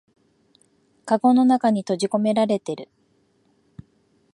かごの中に閉じこめられてる